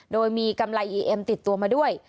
โดยมีกำไรอีเอ็มติดตัวมาด้วย